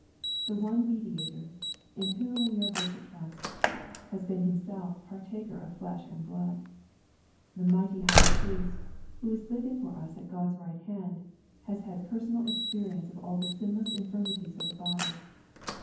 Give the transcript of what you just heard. . The one Mediator, in whom we are bid to trust, has been Himself " partaker of flesh and blood." The mighty High Priest, who is living for us at G od's right hand, has had personal experience of all the sinless infirmities of the body.